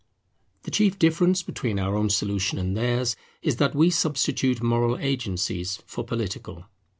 The chief difference between our own solution and theirs is that we substitute moral agencies for political.